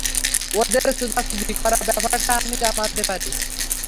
ওদের চুদাচুদি করার ব্যাপারটা আমি মানতে পারি।